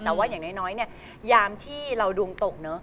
แต่ว่าอย่างน้อยยามที่เราดวงตก